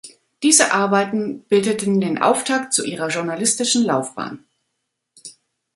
Diese Arbeiten bildeten den Auftakt zu ihrer journalistischen Laufbahn.